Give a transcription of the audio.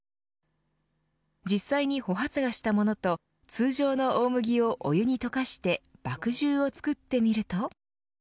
実際に穂発芽したものと通常の大麦を、お湯にとかして麦汁を作ってみると。